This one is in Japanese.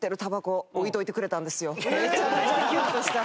めちゃめちゃキュンとした。